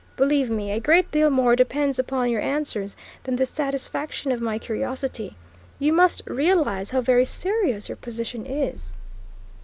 Believe me, a great deal more depends upon your answers than the satisfaction of my curiosity. You must realise how very serious your position is."